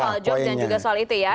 soal job dan juga soal itu ya